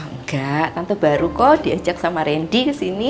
enggak tante baru kok diajak sama randy ke sini